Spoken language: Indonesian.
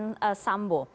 yang terjadi di jambu